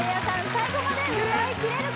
最後まで歌いきれるか？